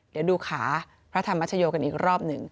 เดี๋ยวดูขาพระธรรมชโยกันอีกรอบหนึ่ง